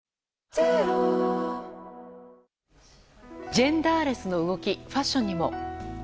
ジェンダーレスの動きファッションにも。